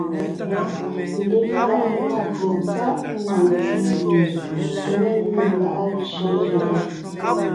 Lefaʼa na tsetsáʼ na ntí gie mé ge lá’a tsẅé zẅɛʼɛ: